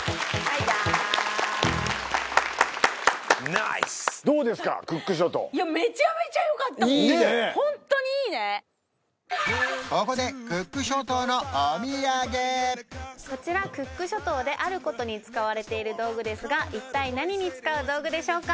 ナイスここでクック諸島のお土産こちらクック諸島であることに使われている道具ですが一体何に使う道具でしょうか？